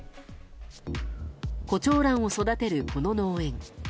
コチョウランを育てるこの農園。